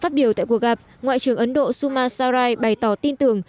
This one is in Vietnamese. phát biểu tại cuộc gặp ngoại trưởng ấn độ suma sarai bày tỏ tin tưởng